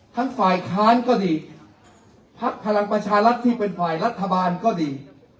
ทั้งฝ่ายค้านก็ดีพักพลังประชารัฐที่เป็นฝ่ายรัฐบาลก็ดี